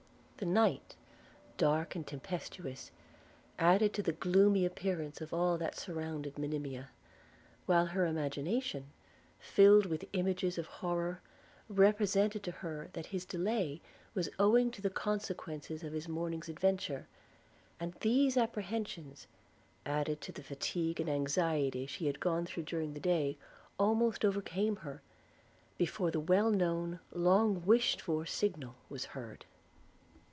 The night, dark and tempestuous, added to the gloomy appearance of all that surrounded Monimia; while her imagination, filed with images of horror, represented to her, that his delay was owing to the consequences of his morning's adventure: and these apprehensions, added to the fatigue and anxiety she had gone through during the day, almost overcame her, before the well known, long wished for signal was heard.